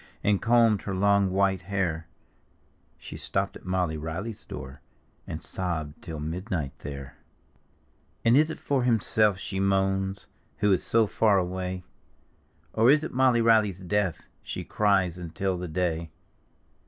And combed her long white hair. She stopped at Molly Reilly's door. And sobbed till midn^t there. D,gt,, erihyGOOgle i84 The Haunted Hour And is it for himself she moans, Who is so far away? Or is it Molly Reilly's death She cries until the day?